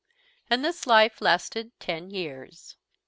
And this life lasted ten years.